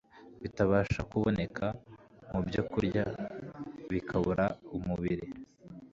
bitabasha kuboneka mu byokurya bikabura umubiri